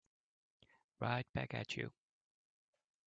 Right back at you.